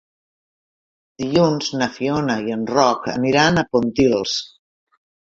Dilluns na Fiona i en Roc aniran a Pontils.